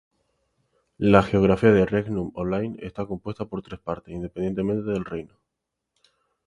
La geografía de Regnum Online está compuesta por tres partes, independientemente del reino.